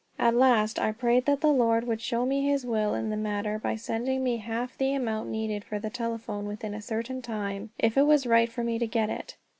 At last, I prayed that the Lord would show me his will in the matter by sending me half the amount needed for the telephone within a certain time, if it was right for me to get it.